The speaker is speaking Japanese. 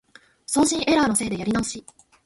送信エラーのせいでやり直し